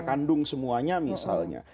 kandung semuanya misalnya